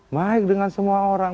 baik dengan semua orang